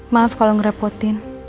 maaf kalau ngerepotin